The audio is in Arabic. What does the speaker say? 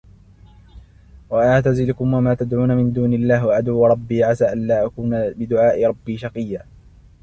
وأعتزلكم وما تدعون من دون الله وأدعو ربي عسى ألا أكون بدعاء ربي شقيا